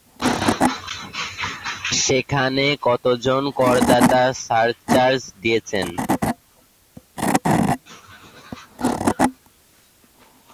সেখানে কতজন করদাতা সারচার্জ দিয়েছেন?